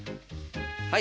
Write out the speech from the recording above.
はい！